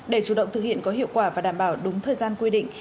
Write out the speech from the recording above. để chủ động thực hiện có hiệu quả và đảm bảo đúng thời gian quy định